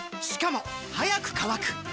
しかも速く乾く！